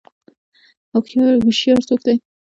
هوشیار څوک دی؟